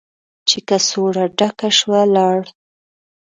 چې کڅوړه ډکه شوه، لاړ.